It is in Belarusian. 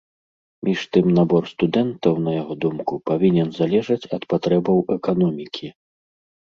Між тым набор студэнтаў, на яго думку, павінен залежаць ад патрэбаў эканомікі.